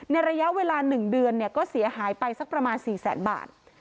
ในระยะเวลา๑เดือนเนี่ยก็เสียหายไปสักประมาณ๔๐๐บาท